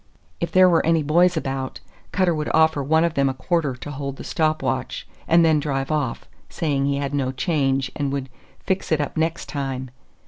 If there were any boys about, Cutter would offer one of them a quarter to hold the stop watch, and then drive off, saying he had no change and would "fix it up next time."